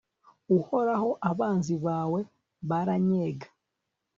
uhoraho, abanzi bawe barannyega